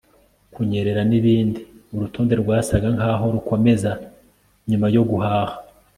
kunyerera n'ibindi. urutonde rwasaga nkaho rukomeza. nyuma yo guhaha